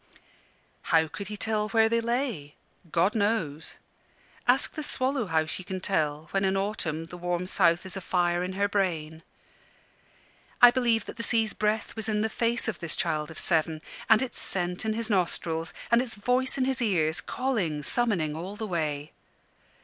How could he tell where they lay? God knows. Ask the swallow how she can tell, when in autumn the warm south is a fire in her brain. I believe that the sea's breath was in the face of this child of seven, and its scent in his nostrils, and its voice in his ears, calling, summoning all the way.